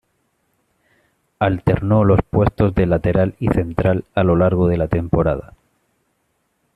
Alternó los puestos de lateral y central a lo largo de la temporada.